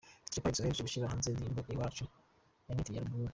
Dj Pius aherutse gushyira hanze indirimbo 'Iwacu' yanitiriye Album.